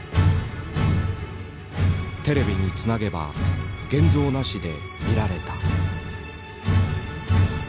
テレビにつなげば現像なしで見られた。